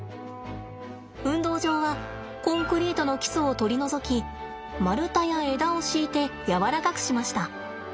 運動場はコンクリートの基礎を取り除き丸太や枝を敷いて柔らかくしました。